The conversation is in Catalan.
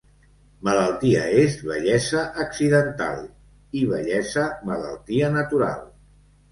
Malaltia és vellesa accidental i vellesa malaltia natural.